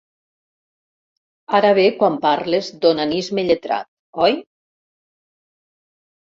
Ara ve quan parles d'onanisme lletrat, oi?